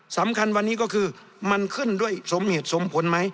สำคัญวันนี้ก็คือมันขึ้นด้วยสมเหตุสมผลไหม